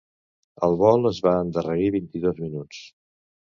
El vol es va endarrerir vint-i-dos minuts.